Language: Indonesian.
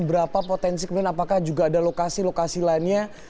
berapa potensi kemudian apakah juga ada lokasi lokasi lainnya